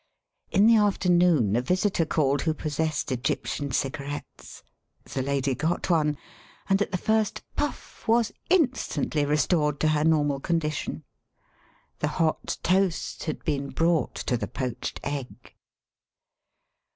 In the afternoon a visitor called who possessed Egyptian cigarettes. The lady got one, and at the first puflF* was in stantly restored to her normal condition. The hot toast had been brought to the poached egg.